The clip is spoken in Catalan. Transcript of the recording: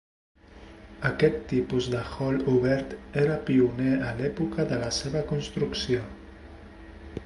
Aquest tipus de hall obert era pioner a l'època de la seva construcció.